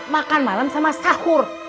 makan malam sama sahur